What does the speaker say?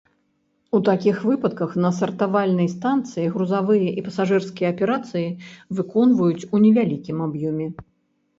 У такіх выпадках на сартавальнай станцыі грузавыя і пасажырскія аперацыі выконваюць у невялікім аб'ёме.